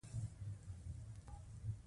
ټویټر د لنډو ویډیوګانو لپاره هم کارېدلی شي.